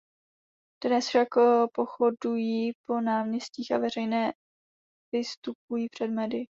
Dnes však pochodují po náměstích a veřejně vystupují před médii.